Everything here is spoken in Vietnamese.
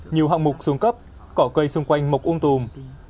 nhiều hạng mục xuống cấp cỏ cây xung quanh mộc ôm tùm